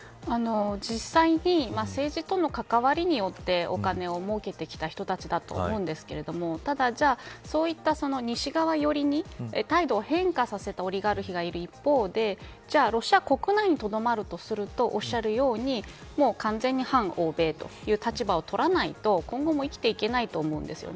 実際に政治との関わりによってお金を儲けてきた人たちだと思うんですけれどもただじゃあそういった西側寄りに態度を変化させたオリガルヒがいる一方でロシア国内にとどまるとするとおっしゃるように完全に反欧米という立場を取らないと今後も生きていけないと思うんです。